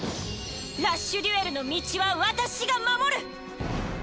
ラッシュデュエルの道は私が守る！